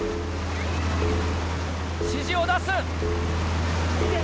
指示を出す。